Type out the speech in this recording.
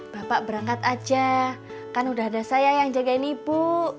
bapak berangkat aja kan udah ada saya yang jagain ibu